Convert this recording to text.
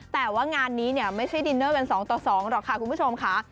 แต่ว่างานนี้เนี่ยไม่ใช่ดินเนอร์กัน๒ต่อ๒หรอกค่ะคุณผู้ชมค่ะ